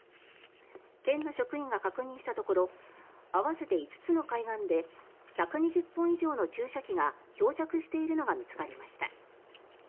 県の職員が確認したところ合わせて５つの海岸で１２０本以上の注射器が漂着しているのが見つかりました。